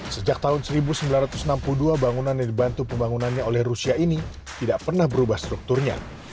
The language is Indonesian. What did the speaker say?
sejak tahun seribu sembilan ratus enam puluh dua bangunan yang dibantu pembangunannya oleh rusia ini tidak pernah berubah strukturnya